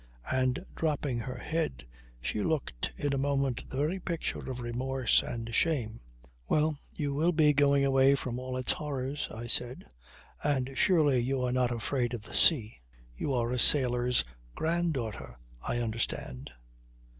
And, dropping her head, she looked in a moment the very picture of remorse and shame. "Well, you will be going away from all its horrors," I said. "And surely you are not afraid of the sea. You are a sailor's granddaughter, I understand."